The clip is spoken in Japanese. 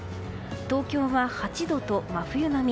東京は８度と真冬並み。